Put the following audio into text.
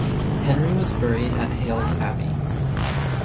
Henry was buried at Hailes Abbey.